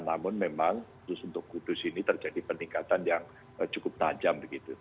namun memang khusus untuk kudus ini terjadi peningkatan yang cukup tajam